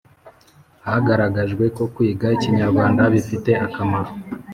Hagaragajwe ko kwiga Ikinyarwanda bifite akamaro